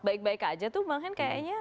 baik baik aja tuh bang hen kayaknya